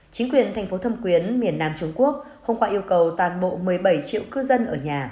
chính quyền thành phố thâm quyến miền nam trung quốc hôm qua yêu cầu toàn bộ một mươi bảy triệu cư dân ở nhà